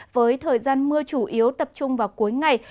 với thời gian mưa chủ yếu tập trung vào cuối ngày